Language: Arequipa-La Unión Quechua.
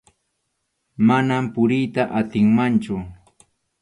Manam puriyta atinmanchu.